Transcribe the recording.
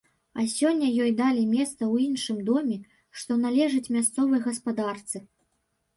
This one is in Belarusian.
А сёння ёй далі месца ў іншым доме, што належыць мясцовай гаспадарцы.